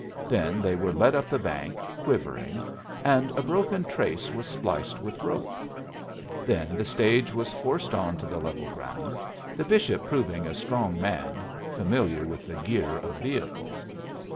Then they were led up the bank, quivering, and a broken trace was spliced with rope. Then the stage was forced on to the level ground, the bishop proving a strong man, familiar with the gear of vehicles.